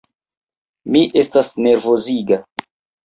Mi estas nervoziga.